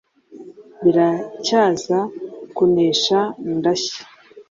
Biracyaza kunesha ndashya